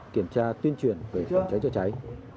kiểm tra tuyên truyền về phòng cháy chế cháy